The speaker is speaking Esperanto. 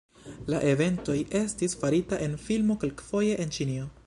La eventoj estis farita en filmo kelkfoje en Ĉinio.